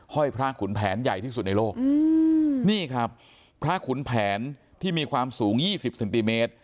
ห้อยพระขุนแผนใหญ่ที่สุดในโลกอืมนี่ครับพระขุนแผนที่มีความสูงยี่สิบเซนติเมตร